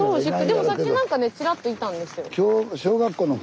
でもさっき何かねちらっといたんです。